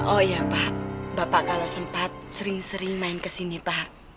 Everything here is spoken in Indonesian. oh iya pak bapak kalau sempat sering sering main kesini pak